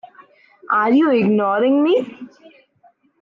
Are you ignoring me?